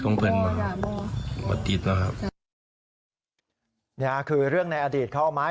เขาเอาไม้มัน